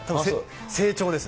成長ですね。